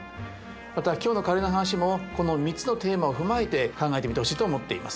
また今日のカレーの話もこの３つのテーマを踏まえて考えてみてほしいと思っています。